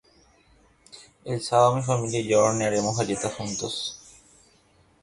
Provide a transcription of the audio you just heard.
El sábado, mi familia y yo hornearemos galletas juntos.